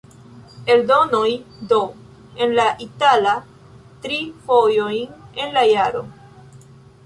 Eldonoj D, en la itala, tri fojojn en la jaro.